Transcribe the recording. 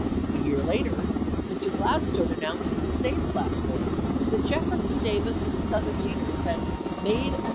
A year later, Mr. Gladstone announced from the same platform that Jefferson Speech at Davis and the Southern leaders had "made a oct!